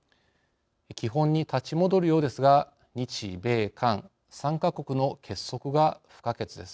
基本に立ち戻るようですが日米韓３か国の結束が不可欠です。